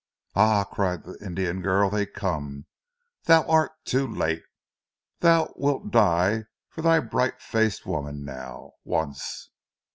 "Ah," cried the Indian girl, "They come. Thou art too late. Thou wilt die for thy bright faced woman now once."